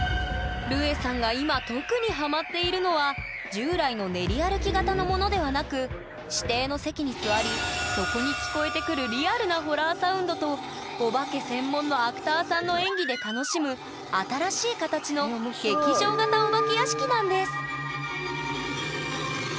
ルエさんが今特にハマっているのは従来の練り歩き型のものではなく指定の席に座りそこに聞こえてくるリアルなホラーサウンドとお化け専門のアクターさんの演技で楽しむ新しい形のうわあ怖い。